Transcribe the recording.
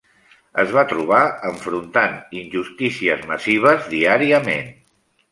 Es va trobar enfrontant injustícies massives diàriament.